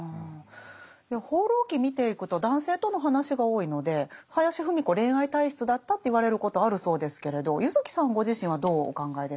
「放浪記」見ていくと男性との話が多いので林芙美子恋愛体質だったって言われることあるそうですけれど柚木さんご自身はどうお考えですか？